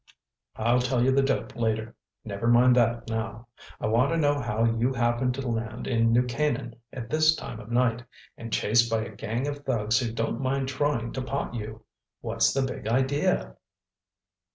"I'll tell you the dope later. Never mind that now. I want to know how you happened to land in New Canaan at this time of night—and chased by a gang of thugs who don't mind trying to pot you! What's the big idea?"